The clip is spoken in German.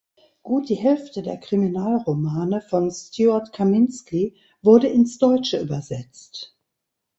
Gut die Hälfte der Kriminalromane von Stuart Kaminsky wurde ins Deutsche übersetzt.